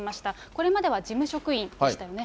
これまでは事務職員でしたよね。